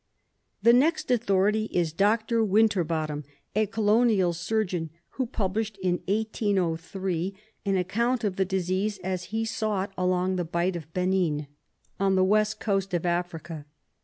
The next authority is Dr. Winterbottom, a Colonial Surgeon, who published, in 1803, an account of the disease as he saw it along the Bight of Benin, on the West Coast of Africa.